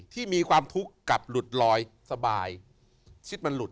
ที่มีความทุกข์กับหลุดลอยสบายชิดมันหลุด